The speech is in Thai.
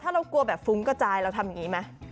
ถ้าเรากลัวแบบฟุ้งกระจายเราทำอย่างนี้ไหม